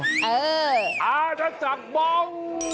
อาจักรบ้อง